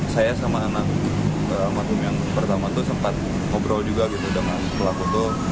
saya dan anak almarhum yang pertama sempat berbicara dengan pelaku